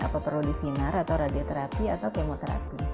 apa perlu disinar atau radioterapi atau kemoterapi